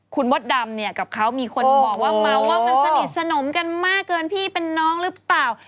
คุณมดดำเนี่ยกับเขามีคนบอกว่าเมาว่ามันสนิทสนมกันมากเกินพี่เป็นน้องหรือเปล่า